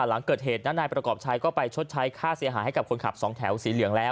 หลังเกิดเหตุนั้นนายประกอบชัยก็ไปชดใช้ค่าเสียหายให้กับคนขับสองแถวสีเหลืองแล้ว